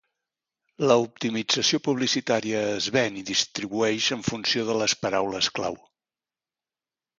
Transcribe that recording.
L'optimització publicitària es ven i distribueix en funció de les paraules clau.